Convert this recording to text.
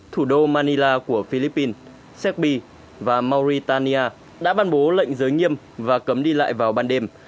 thủ đô manila của philippines serbi và mauritania đã ban bố lệnh giới nghiêm và cấm đi lại vào ban đêm